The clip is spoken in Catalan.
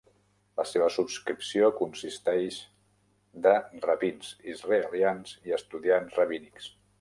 La seva subscripció consisteix de rabins israelians i estudiants rabínics.